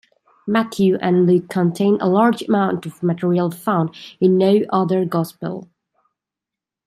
Matthew and Luke contain a large amount of material found in no other gospel.